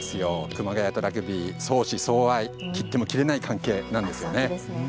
熊谷とラグビー、相思相愛、切っても切れない関係なんですよね。